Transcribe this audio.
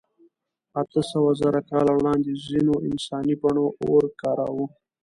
اتهسوهزره کاله وړاندې ځینو انساني بڼو اور کاراوه.